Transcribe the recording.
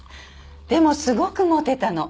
でもすごくモテたの。